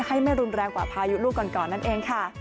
ให้ไม่รุนแรงกว่าพายุลูกก่อนนั่นเองค่ะ